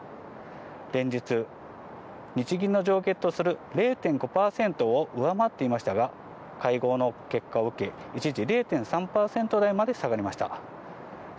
連日、日銀の上限とする０．５％を上回っていましたが、会合の結果を受け、一時０．３％台まで下がりました。